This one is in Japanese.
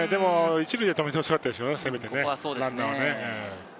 １塁で止めて欲しかったですよね、せめてランナーはね。